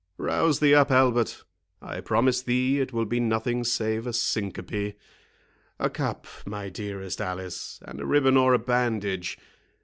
Rouse thee up, Albert; I promise thee it will be nothing save a syncope—A cup, my dearest Alice, and a ribbon or a bandage.